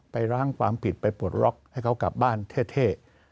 ไปล้างความผิดไปปลดล็อกให้เขากลับบ้านเท่